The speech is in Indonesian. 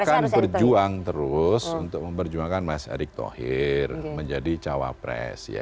kita akan berjuang terus untuk memperjuangkan mas erick thohir menjadi cawapres